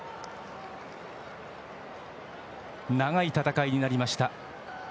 長い戦いになりました。